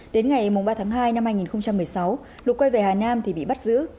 đến ngày ba tháng hai năm hai nghìn một mươi sáu lục quay về hà nam thì bị bắt giữ